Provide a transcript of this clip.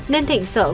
nên thịnh sợ bỏ đi đi